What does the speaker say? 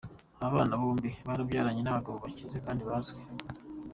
Aba bana bombi yababyaranye n’abagabo bakize kandi bazwi.